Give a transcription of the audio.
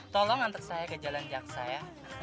tolong antar saya ke jalan jaksa ya